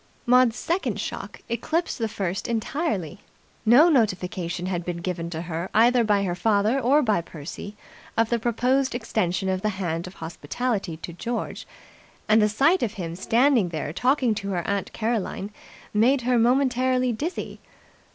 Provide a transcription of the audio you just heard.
Maud's second shock eclipsed the first entirely. No notification had been given to her either by her father or by Percy of the proposed extension of the hand of hospitality to George, and the sight of him standing there talking to her aunt Caroline made her momentarily dizzy.